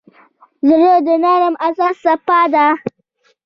زړه د نرم احساس څپه ده.